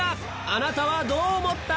あなたはどう思った？